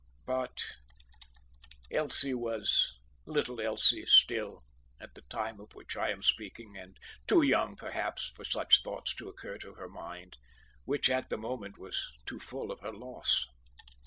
But Elsie was "little Elsie" still, at the time of which I am speaking, and too young, perhaps, for such thoughts to occur to her mind, which at the moment was too full of her loss.